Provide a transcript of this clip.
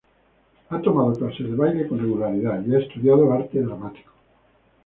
Ha tomado clases de baile con regularidad y ha estudiado arte dramático.